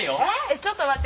ちょっと待って。